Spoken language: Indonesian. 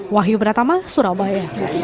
wahyu beratama surabaya